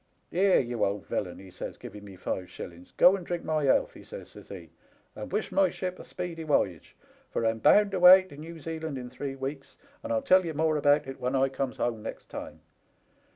Here, you old villain,' he says, giving me five shillings, ' go and drink my health,' he says, says he, * and wish my ship a speedy woyage, for I'm bound away to New Zealand in three weeks, and I'll tell ye more about it when I comes home next time.